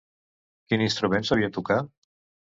Quin instrument sabia tocar?